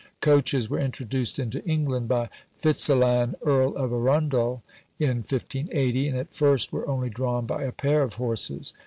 Coaches were introduced into England by Fitzalan Earl of Arundel, in 1580, and at first were only drawn by a pair of horses.